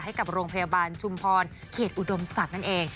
ให้กับโรงพยาบาลชุมพรเขตอุดมศักดิ์นั่นเอง